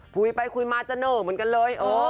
คุยไปคุยมาจะเหน่อเหมือนกันเลย